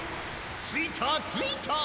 ・ついたついた！